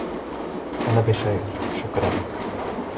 أنا بخير ، شكرا.